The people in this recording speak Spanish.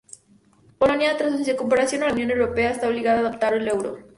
Polonia, tras su incorporación a la Unión Europea, está obligada a adoptar el euro.